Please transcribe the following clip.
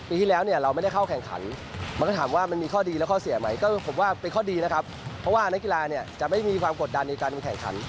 เพราะว่านักกีฬาจะไม่มีความกดดันในการแข่งขัน